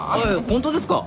本当ですか！？